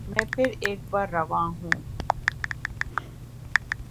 میں پھر ایک بار روانہ ہوں